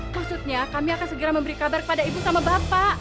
maksudnya kami akan segera memberi kabar kepada ibu sama bapak